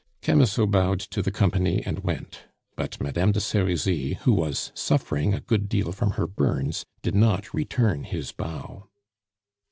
Camusot bowed to the company and went; but Madame de Serizy, who was suffering a good deal from her burns, did not return his bow.